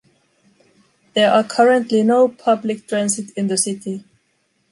There are currently no public transit in the city.